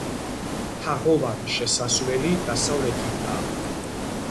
თაღოვანი შესასვლელი დასავლეთითაა.